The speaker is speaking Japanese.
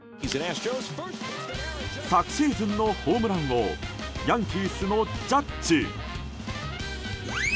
昨シーズンのホームラン王ヤンキースのジャッジ。